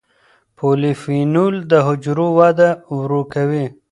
پولیفینول د حجرو وده ورو کوي.